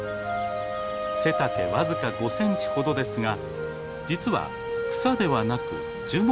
背丈僅か５センチほどですが実は草ではなく樹木の仲間です。